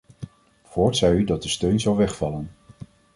Voorts zei u dat de steun zou wegvallen.